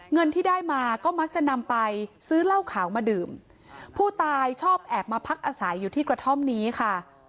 เงินที่ได้มาก็มักจะนำไปซื้อเหล้าขาวมาดื่มผู้ตายชอบแอบมาพักอาศัยอยู่ที่กระท่อมนี้ค่ะ